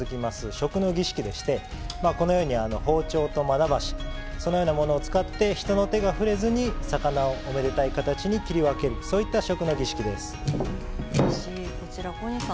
食の儀式でしてこのように包丁とまな箸そのようなものを使って人の手が触れずに魚をおめでたい形に切り分けるそういった食の儀式です。